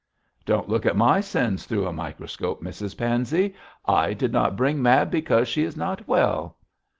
'Don't look at my sins through a microscope, Mrs Pansey. I did not bring Mab because she is not well.'